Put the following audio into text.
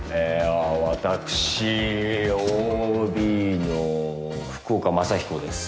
私ＯＢの福岡雅彦です。